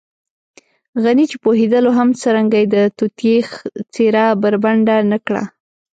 غني چې پوهېدلو هم څرنګه يې د توطیې څېره بربنډه نه کړه.